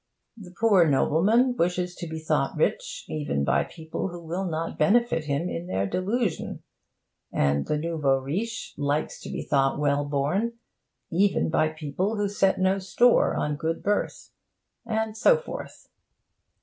The poor nobleman wishes to be thought rich even by people who will not benefit him in their delusion; and the nouveau riche likes to be thought well born even by people who set no store on good birth; and so forth.